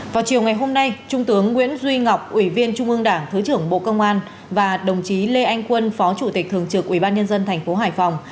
vào chiều ngày hôm nay trung tướng nguyễn duy ngọc ủy viên trung ương đảng thứ trưởng bộ công an và đồng chí lê anh quân phó chủ tịch thường trực ủy ban nhân dân thành phố hải phòng